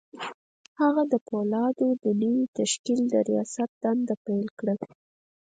هغه د پولادو د نوي تشکیل د رياست دنده پیل کړه